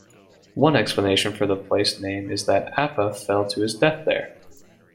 One explanation for the place name is that Apa fell to his death there.